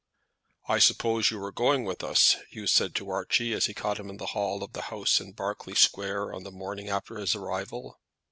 "I suppose you are going with us?" Hugh said to Archie, as he caught him in the hall of the house in Berkeley Square on the morning after his arrival.